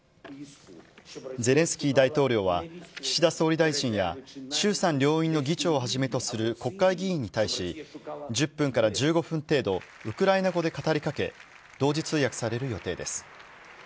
ゼレンスキー大統領は、岸田総理大臣や、衆参両院の議長をはじめとする国会議員に対し、１０分から１５分程度、ウクライナ語で語りかけ、同時通訳される予定です。